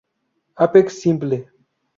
Apex simple.